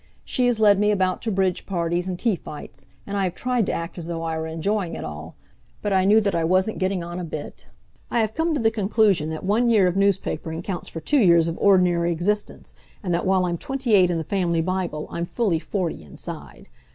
She has led me about to bridge parties and tea fights, and I have tried to act as though I were enjoying it all, but I knew that I wasn't getting on a bit. I have come to the conclusion that one year of newspapering counts for two years of ordinary, existence, and that while I'm twenty eight in the family Bible I'm fully forty inside.